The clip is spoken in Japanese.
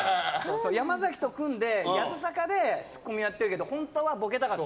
山崎と組んで、やぶさかでツッコミやってるけど本当はボケたかった。